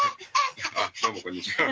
あどうもこんにちは。